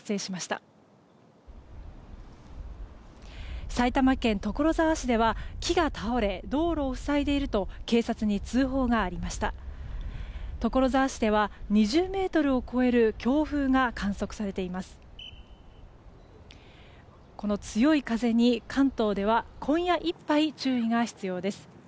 この強い風に関東では今夜いっぱい、注意が必要です。